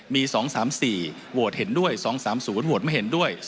มี๒๓๔โหวตเห็นด้วย๒๓๐โหวตไม่เห็นด้วย